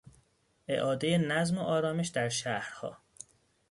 اعادهی نظم و آرامش در شهرها